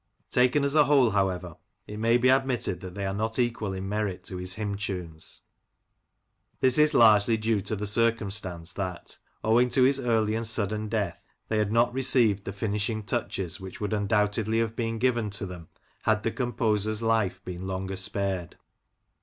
Taken as a whole, however, it may be admitted that they are not equal in merit to his hymn tunes. This is largely due to the circumstance that, owing to his early and sudden death, they had not received the finishing touches which would undoubtedly have been given to them had the composer's life been longer spared.